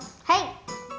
はい。